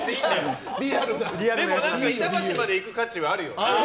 でも、板橋まで行く価値はあるよ。